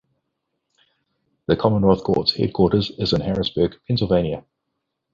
The Commonwealth Court's headquarters is in Harrisburg, Pennsylvania.